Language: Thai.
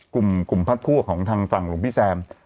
กลุ่มผ้าผู้ของฝั่งลุงพี่แซม